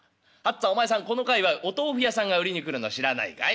この界わいお豆腐屋さんが売りに来るの知らないかい？